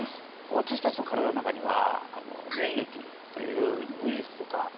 私たちの体の中には。